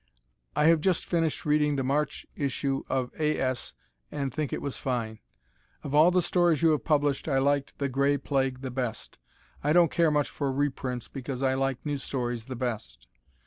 I have just finished reading the March issue of A. S. and think it was fine. Of all the stories you have published I liked "The Gray Plague" the best. I don't care much for reprints because I like new stories the best.